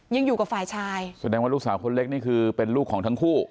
ยังอยู่กับฝ่ายชายแสดงว่าลูกสาวคนเล็กนี่คือเป็นลูกของทั้งคู่